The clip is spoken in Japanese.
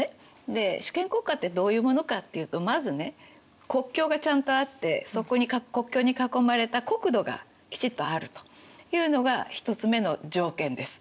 で主権国家ってどういうものかっていうとまずね国境がちゃんとあってそこに国境に囲まれた国土がきちっとあるというのが１つ目の条件です。